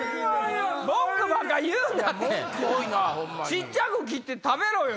小っちゃく切って食べろよ。